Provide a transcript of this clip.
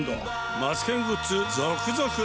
マツケングッズ続々。